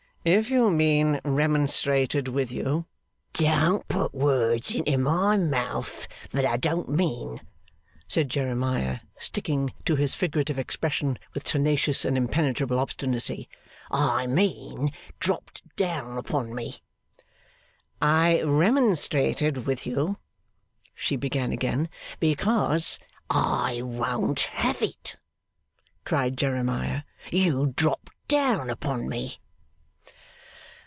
'If you mean, remonstrated with you ' 'Don't put words into my mouth that I don't mean,' said Jeremiah, sticking to his figurative expression with tenacious and impenetrable obstinacy: 'I mean dropped down upon me.' 'I remonstrated with you,' she began again, 'because ' 'I won't have it!' cried Jeremiah. 'You dropped down upon me.